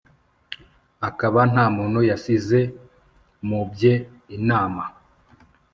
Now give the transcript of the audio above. akaba nta muntu yasize mu bye inama